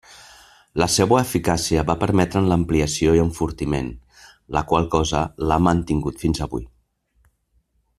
La seua eficàcia va permetre'n l'ampliació i enfortiment, la qual cosa l'ha mantingut fins avui.